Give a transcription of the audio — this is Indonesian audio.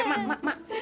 eh mak mak mak mak